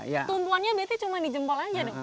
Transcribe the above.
kayak kutuk tumbuhannya berarti cuma di jempol aja